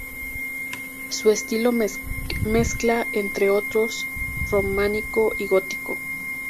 Su estilo mezcla, entre otros, románico y gótico.